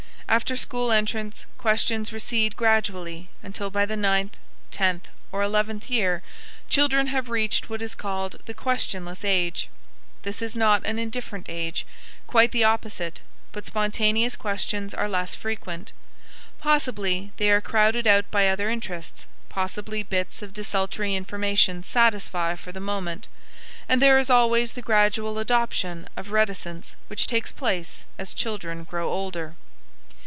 After school entrance, questions recede gradually until by the ninth, tenth, or eleventh year children have reached what is called the questionless age. This is not an indifferent age quite the opposite but spontaneous questions are less frequent. Possibly they are crowded out by other interests, possibly bits of desultory information satisfy for the moment; and there is always the gradual adoption of reticence which takes place as children grow older.